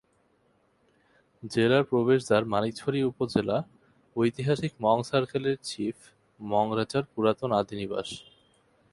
জেলার প্রবেশদ্বার মানিকছড়ি উপজেলা ঐতিহাসিক মং সার্কেলের চীফ মং রাজার পুরাতন আদিনিবাস।